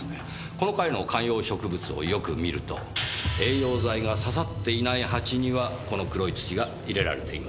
この階の観葉植物をよく見ると栄養剤が挿さっていない鉢にはこの黒い土が入れられています。